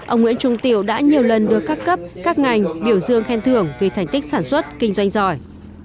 ông nguyễn trung tiểu đã nhiều lần được các cấp các ngành biểu dương khen thưởng vì thành tích sản xuất kinh doanh giỏi